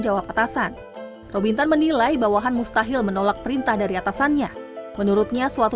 jawab atasan robintan menilai bawahan mustahil menolak perintah dari atasannya menurutnya suatu